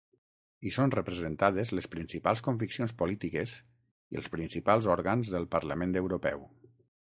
Hi són representades les principals conviccions polítiques i els principals òrgans del Parlament Europeu.